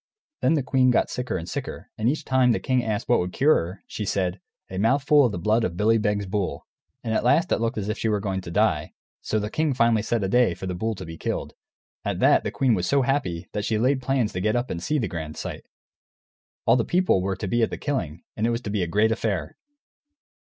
Then the queen got sicker and sicker, and each time the king asked what would cure her she said, "A mouthful of the blood of Billy Beg's bull." And at last it looked as if she were going to die. So the king finally set a day for the bull to be killed. At that the queen was so happy that she laid plans to get up and see the grand sight. All the people were to be at the killing, and it was to be a great affair.